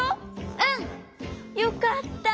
うん！よかった！